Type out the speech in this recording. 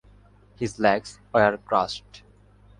His legs were crushed.